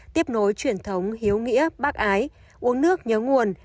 tiếp nối truyền thống hiếu nghĩa bác ái uống nước nhớ nguồn